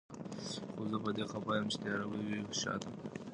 خو زه په دې خفه يم چي تياره به يې وي شاته